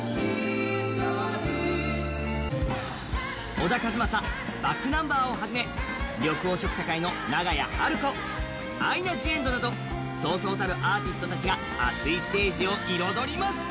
小田和正、ｂａｃｋｎｕｍｂｅｒをはじめ緑黄色社会の長屋晴子、アイナ・ジ・エンドなどそうそうたるアーティストたちが暑いステージを彩りました。